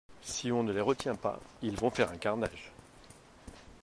Si on ne les retient pas, ils vont faire un carnage.